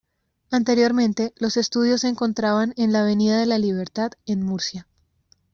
Anteriormente, los estudios se encontraban en la Avenida de la Libertad, en Murcia.